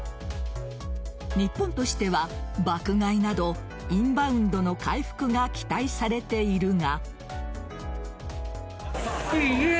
日本としては爆買いなどインバウンドの回復が期待されているが。